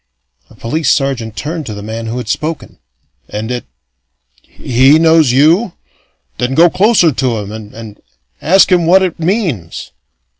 A police sergeant turned to the man who had spoken. "And it he knows you? Then go closer to him, and and ask him what it means."